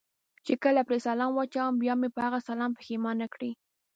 چې کله پرې سلام واچوم، بیا مې په هغه سلام پښېمانه کړي.